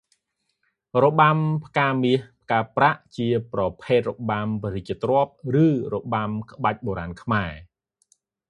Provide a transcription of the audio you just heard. របាំផ្កាមាស-ផ្កាប្រាក់ ជាប្រភេទរបាំព្រះរាជទ្រព្យ ឬ របាំក្បាច់បុរាណខ្មែរ ។